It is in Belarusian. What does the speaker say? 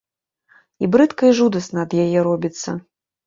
І брыдка і жудасна ад яе робіцца.